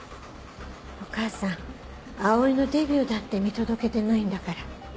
お母さん葵のデビューだって見届けてないんだから。